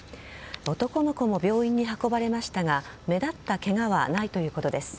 男の子も病院に運ばれましたが目立ったケガはないということです。